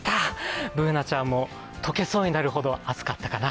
Ｂｏｏｎａちゃんも溶けそうになるほど暑かったかな。